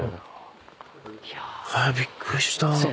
びっくりした。